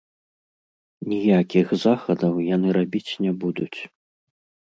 Ніякіх захадаў яны рабіць не будуць.